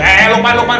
eh eh eh lukman lukman